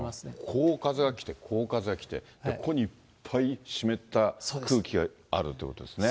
こう風が来て、こう風が来て、ここにいっぱい湿った空気があるということですね。